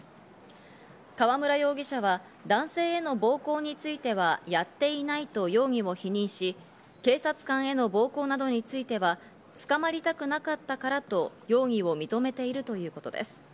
河村容疑者は男性への暴行については、やっていないと容疑を否認し、警察官への暴行などについては、捕まりたくなかったからと容疑を認めているということです。